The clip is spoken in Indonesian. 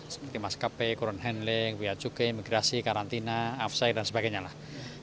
seperti maskapai current handling biar juga imigrasi karantina offsite dan sebagainya lah